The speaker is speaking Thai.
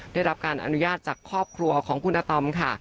ได้รับการอนุญาตจากครอบครัวของคุณอาตอมค่ะ